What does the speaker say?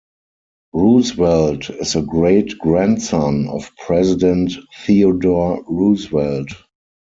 Roosevelt is a great-grandson of President Theodore Roosevelt.